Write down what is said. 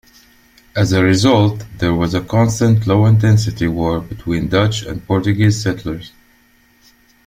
As a result, there was a constant low-intensity war between Dutch and Portuguese settlers.